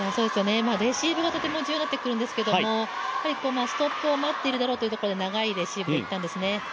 レシーブがとても重要になってくるんですがストップを待っているだろうというところで長いレシーブいったんですね。